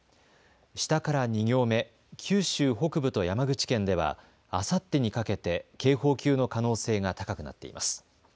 下から２行目、九州北部と山口県ではあさってにかけて警報級の可能性が高くなっています。